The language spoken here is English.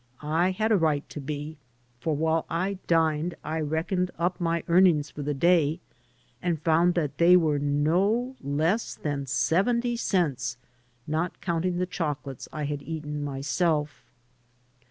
I had a right to be, for while I dined I reckoned up my earnings for the day and foimd that they were no less than seventy cents, not counting the chocolates I had eaten myself.